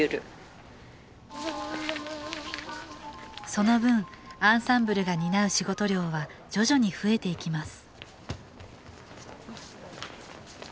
その分アンサンブルが担う仕事量は徐々に増えていきます